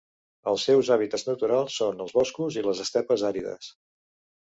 Els seus hàbitats naturals són els boscos i les estepes àrides.